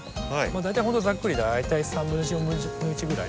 大体ほんとざっくり大体1/31/4ぐらい。